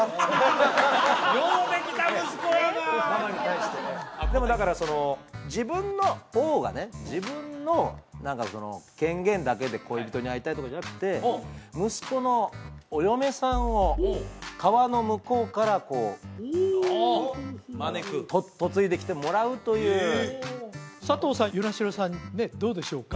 ようできた息子やなでもだから自分の王がね自分の権限だけで恋人に会いたいとかじゃなくて息子のお嫁さんを川の向こうからこう嫁いできてもらうという佐藤さん與那城さんどうでしょうか？